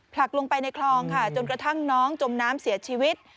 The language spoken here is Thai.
ลงไปในคลองค่ะจนกระทั่งน้องจมน้ำเสียชีวิต